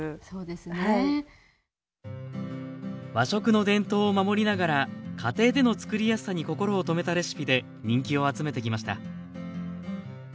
和食の伝統を守りながら家庭での作りやすさに心を留めたレシピで人気を集めてきました。